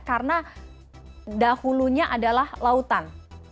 karena dahulunya adalah lautan